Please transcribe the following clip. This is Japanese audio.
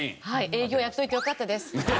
営業やっておいてよかったです。